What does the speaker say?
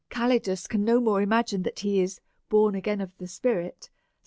Calidus can no more imagine that he is born again of St. John iii.